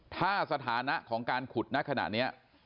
ถ้าสถานะของการขุดณขณะนี้